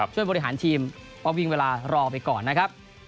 ช่วยบริหารทีมก็วิ่งเวลารอไปก่อนนะครับ